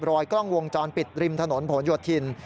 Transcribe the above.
รอยกล้องวงจรปิดริมถนนผลโยธิน